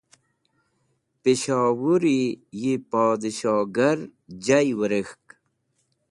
Peshowuri yi Podshogar Jay Wirek̃hk